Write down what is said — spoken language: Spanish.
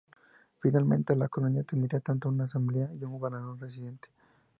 Finalmente la colonia tendría tanto una asamblea y un gobernador residente.